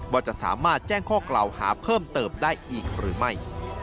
ว่าจะสามารถแจ้งข้อกล่าวหาเพิ่มเติมได้อีกหรือไม่